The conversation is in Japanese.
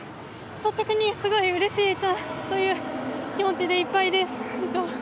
率直にすごいうれしいという気持ちでいっぱいです。